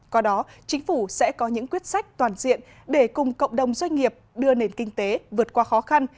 qua đó chính phủ sẽ có những quyết sách toàn diện để cùng cộng đồng doanh nghiệp đưa nền kinh tế vượt qua khó khăn